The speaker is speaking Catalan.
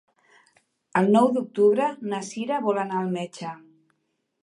El nou d'octubre na Sira vol anar al metge.